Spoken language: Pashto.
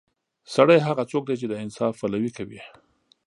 سړی هغه څوک دی چې د انصاف پلوي کوي.